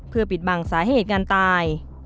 เพื่อปิดบังสาเหตุการตาย